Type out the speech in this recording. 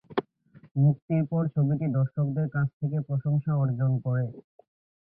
মুক্তির পর ছবিটি দর্শকদের কাছ থেকে প্রশংসা অর্জন করে।